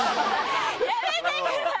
やめてください！